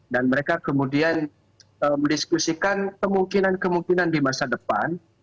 dan mereka kemudian mendiskusikan kemungkinan kemungkinan di masa depan